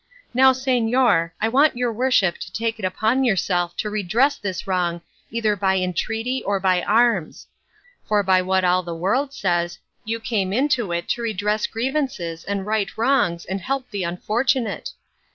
Now, señor, I want your worship to take it upon yourself to redress this wrong either by entreaty or by arms; for by what all the world says you came into it to redress grievances and right wrongs and help the unfortunate.